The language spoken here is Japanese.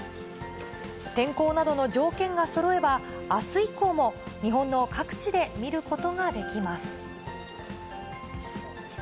天候などの条件がそろえば、あす以降も日本の各地で見ることができます。